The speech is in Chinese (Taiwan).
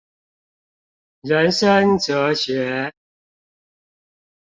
人生哲學